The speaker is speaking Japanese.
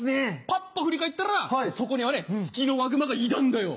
パッと振り返ったらそこにはねツキノワグマがいたんだよ。